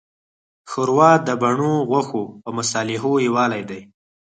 ښوروا د بڼو، غوښو، او مصالحو یووالی دی.